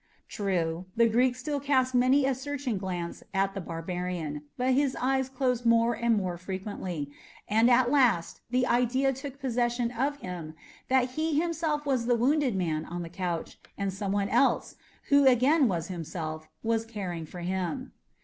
True, the Greek still cast many a searching glance at the barbarian, but his eyes closed more and more frequently, and at last the idea took possession of him that he himself was the wounded man on the couch, and some one else, who again was himself, was caring for him.